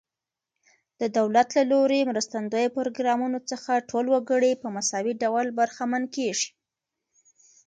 د دولت له لوري مرستندویه پروګرامونو څخه ټول وګړي په مساوي ډول برخمن کیږي.